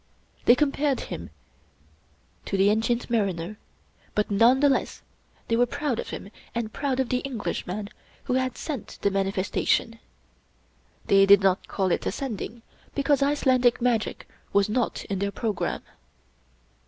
They compared him to the An 24 Rudyard Kipling cient Mariner, but none the less they were proud of him and proud of the Englishman who had sent the manifesta tion. They did not call it a Sending because Icelandic magic was not in their programme.